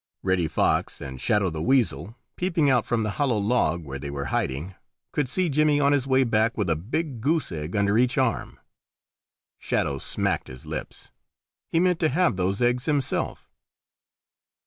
Reddy Fox and Shadow the Weasel, peeping out from the hollow log where they were hiding, could see Jimmy on his way back with a big goose egg under each arm. Shadow smacked his lips. He meant to have those eggs himself.